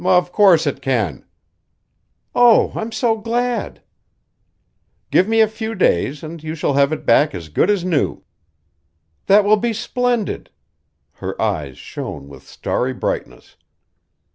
"Of course it can." "Oh, I'm so glad!" "Give me a few days and you shall have it back as good as new." "That will be splendid!" Her eyes shone with starry brightness.